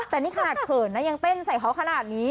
แต่นี่ขนาดเขินนะยังเต้นใส่เขาขนาดนี้